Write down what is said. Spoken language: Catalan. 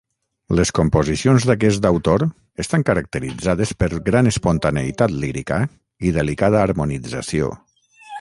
Les composicions d'aquest autor estan caracteritzades per gran espontaneïtat lírica i delicada harmonització.